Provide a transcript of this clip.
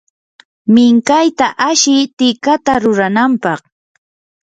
minkayta ashi tikata ruranampaq.